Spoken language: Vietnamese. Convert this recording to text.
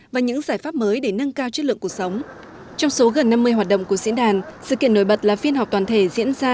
với chất lượng cuộc sống trong số gần năm mươi hoạt động của diễn đàn sự kiện nổi bật là phiên họp toàn thể diễn ra